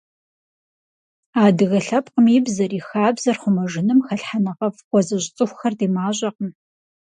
Адыгэ лъэпкъым и бзэр, и хабзэр хъумэжыным хэлъхьэныгъэфӀ хуэзыщӀ цӀыхухэр ди мащӀэкъым.